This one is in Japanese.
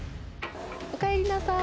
おかえりなさい。